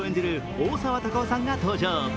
大沢たかおさんが登場。